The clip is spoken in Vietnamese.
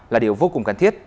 là điều vô cùng cần thiết